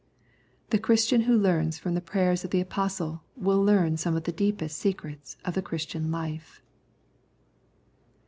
The Christian who learns from the prayers of the Apostle will learn some of the deepest secrets of the Christian life.